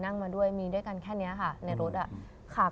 นั่งมาด้วยมีด้วยกันแค่เนี้ยค่ะในรถอะ